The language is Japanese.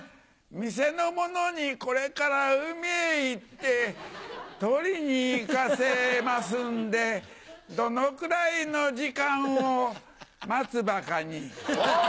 店の者にこれから海へ行って捕りに行かせますんでどのくらいの時間をマツバカニ。